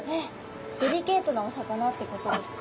デリケートなお魚ってことですか？